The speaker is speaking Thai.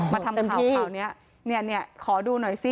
มาทำข่าวเนี่ยขอดูหน่อยซิ